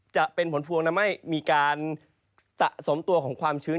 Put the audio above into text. จะเป็นผลพวงทำให้มีการสะสมตัวของความชื้น